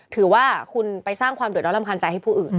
ถือว่าคุณไปสร้างความเดือดร้อนรำคาญใจให้ผู้อื่น